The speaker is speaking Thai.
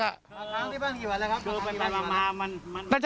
มาท้านที่บ้านกี่วันแล้วครับ